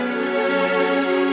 nuru kita mampu